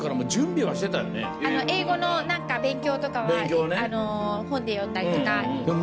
英語の勉強とかは本で読んだりとか。